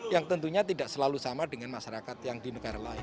yang tentunya tidak selalu sama dengan masyarakat yang di negara lain